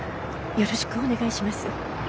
よろしくお願いします。